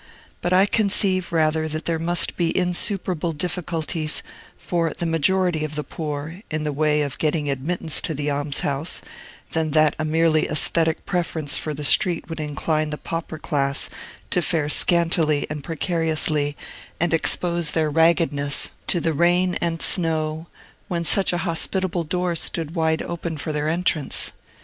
But I conceive rather that there must be insuperable difficulties, for the majority of the poor, in the way of getting admittance to the almshouse, than that a merely aesthetic preference for the street would incline the pauper class to fare scantily and precariously, and expose their raggedness to the rain and snow, when such a hospitable door stood wide open for their entrance.